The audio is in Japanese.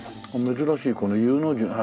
珍しいこのＵの字はい。